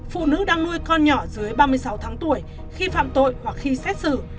phụ nữ đang nuôi con nhỏ dưới ba mươi sáu tháng tuổi khi phạm tội hoặc khi xét xử